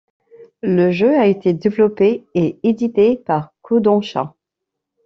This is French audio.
Le jeu a été développé et édité par Kōdansha.